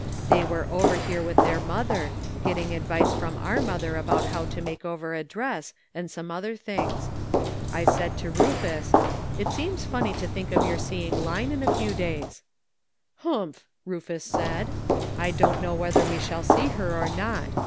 They were over here with their mother, getting advice from our mother about how to make over a dress, and some other things. I said to Rufus: * It seems funny to think of your seeing Line in a few da}"^.* * Humph! ' Rufus said, * I don't know whether we shall see her or not.